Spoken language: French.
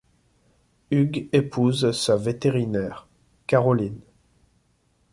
Hugh épouse sa vétérinaire, Caroline.